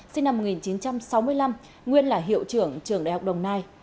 sinh năm một nghìn chín trăm sáu mươi năm nguyên là hiệu trưởng trường đại học đồng nai